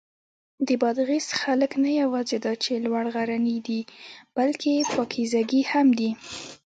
د بادغیس خلک نه یواځې دا چې لوړ غرني دي، بلکې پاکیزګي هم دي.